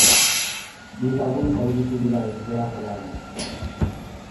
Bi lagun zauritu dira ezbeharrean.